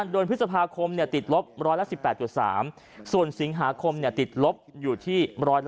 เดือนพฤษภาคมติดลบ๑๑๘๓ส่วนสิงหาคมติดลบอยู่ที่๑๕